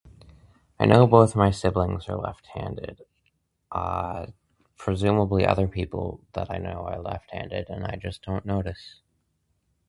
I know both my siblings are left handed. [unintelligible] other people that I know are left handed and I just don't know this.